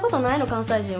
関西人は。